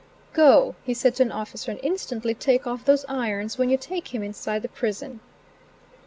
"Go," he said to an officer, "and instantly take off those irons when you take him inside the prison."